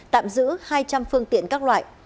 tạm giữ hai trăm linh phương tiện các loại